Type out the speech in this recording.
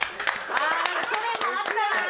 去年もあったな。